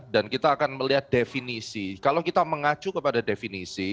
dan kita akan melihat definisi kalau kita mengacu kepada definisi